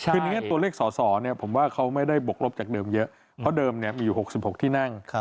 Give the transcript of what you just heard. คือในแง่ตัวเลขสอสอผมว่าเขาไม่ได้บกลบจากเดิมเยอะเพราะเดิมมีอยู่๖๖ที่นั่ง